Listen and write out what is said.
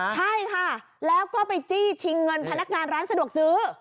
ใช่ค่ะแล้วก็ไปจี้ชิงเงินพนักงานร้านสะดวกซื้อ